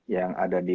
yang ada di